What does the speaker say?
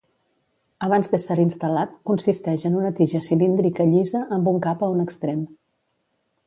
Abans d'ésser instal·lat consisteix en una tija cilíndrica llisa amb un cap a un extrem.